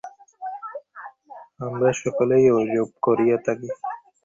আমরা সকলেই ঐরূপ করিয়া থাকি।